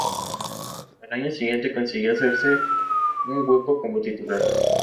Al año siguiente consiguió hacerse un hueco como titular.